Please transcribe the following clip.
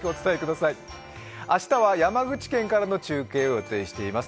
明日は山口県からの中継を予定しています。